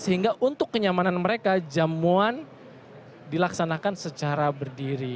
sehingga untuk kenyamanan mereka jamuan dilaksanakan secara berdiri